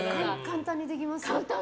簡単にできます？